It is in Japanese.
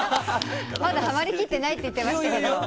まだはまりきってないって言ってましたけど。